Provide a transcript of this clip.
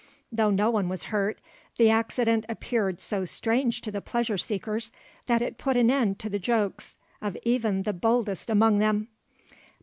Though no one was hurt, the accident appeared so strange to the pleasure seekers that it put an end to the jokes of even the boldest among them.